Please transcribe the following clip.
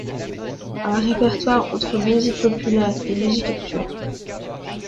Un répertoire entre musique populaire et musiques actuelles.